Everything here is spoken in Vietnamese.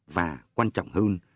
và quan trọng hơn